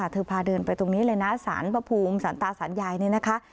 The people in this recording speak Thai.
พาเดินไปตรงนี้เลยนะสารพระภูมิสารตาสารยายนี่นะคะ